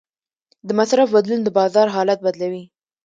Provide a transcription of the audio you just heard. د مصرف بدلون د بازار حالت بدلوي.